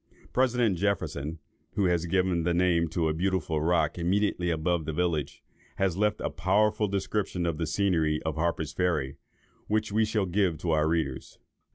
President Jefferson, who has given the name to a beautiful rock immediately above the village, has left a powerful description of the scenery of Harper's Ferry, which we shall give to our readers.